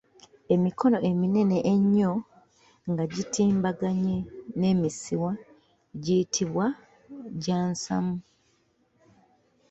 Emikono eminene ennyo nga gitimbaganye n’emisiwa giyitibwa gya Nsaamu.